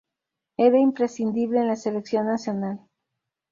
Era imprescindible en la Selección Nacional.